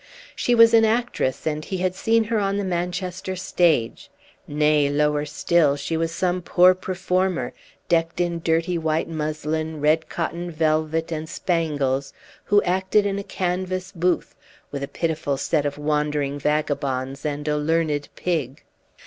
She was an actress, and he had seen her on the Manchester stage; nay, lower still, she was some poor performer, decked in dirty white muslin, red cotton velvet, and spangles, who acted in a canvas booth, with a pitiful set of wandering vagabonds and a learned pig.